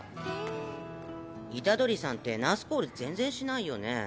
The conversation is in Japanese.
虎杖さんってナースコール全然しないよね。